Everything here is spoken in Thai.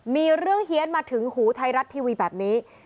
มีเรื่องเฮียนมาถึงหูไทยรัฐทีวีแบบนี้